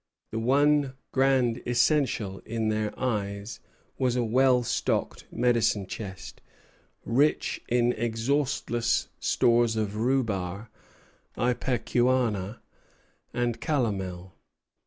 The one grand essential in their eyes was a well stocked medicine chest, rich in exhaustless stores of rhubarb, ipecacuanha, and calomel.